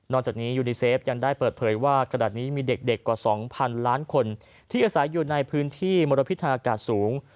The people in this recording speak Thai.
จากนี้ยูดีเซฟยังได้เปิดเผยว่าขณะนี้มีเด็กกว่า๒๐๐๐ล้านคนที่อาศัยอยู่ในพื้นที่มลพิษทางอากาศสูง